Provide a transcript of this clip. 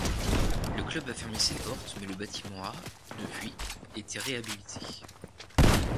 Le club a fermé ses portes mais le bâtiment a, depuis, été réhabilité.